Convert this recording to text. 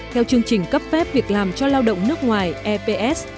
theo chương trình cấp phép việc làm cho lao động nước ngoài eps